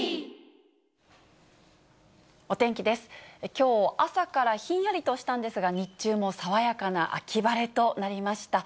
きょう、朝からひんやりとしたんですが、日中も爽やかな秋晴れとなりました。